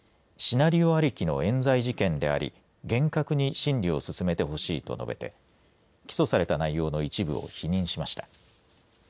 シナリオありきのえん罪事件であり厳格に審理を進めてほしいと述べて起訴された内容の一部を否認しました。